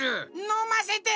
のませて！